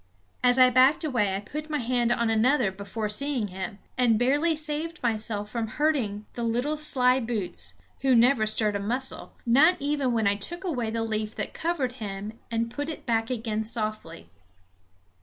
As I backed away I put my hand on another before seeing him, and barely saved myself from hurting the little sly boots, who never stirred a muscle, not even when I took away the leaf that covered him and put it back again softly.